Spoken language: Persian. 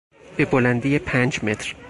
به بلندی پنج متر